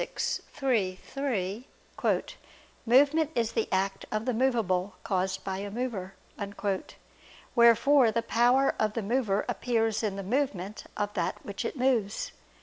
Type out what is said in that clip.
_ iii, 3 "movement is the act of the movable, caused by a mover." Wherefore the power of the mover appears in the movement of that which it moves.